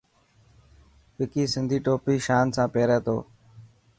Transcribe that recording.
وڪي سڌي ٽوپي شان سان پيري ٿو.